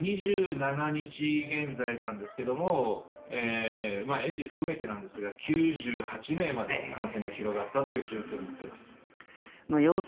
２７日現在なんですけども園児含めてなんですが９８名まで感染が広がったという状況になっています。